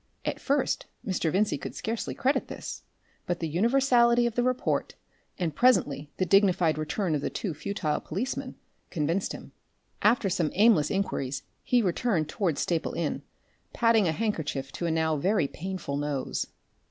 At first Mr. Vincey could scarcely credit this, but the universality of the report, and presently the dignified return of two futile policemen, convinced him. After some aimless inquiries he returned towards Staple Inn, padding a handkerchief to a now very painful nose.